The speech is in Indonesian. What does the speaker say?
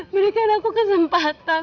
berikan aku kesempatan